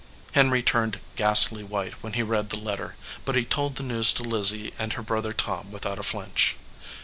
Henry turned ghastly white when he read the letter, but he told the news to Lizzie and her brother Tom without a flinch.